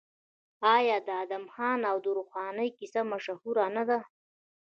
آیا د ادم خان او درخانۍ کیسه مشهوره نه ده؟